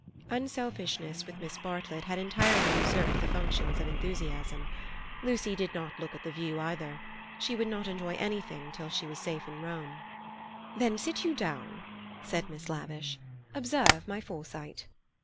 Unselfishness with Miss Bartlett had entirely usurped the functions of enthusiasm. Lucy did not look at the view either. She would not enjoy anything till she was safe at Rome. "Then sit you down," said Miss Lavish. "Observe my foresight."